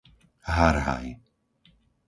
Harhaj